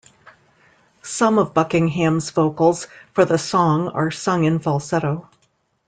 Some of Buckingham's vocals for the song are sung in falsetto.